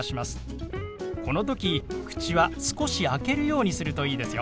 この時口は少し開けるようにするといいですよ。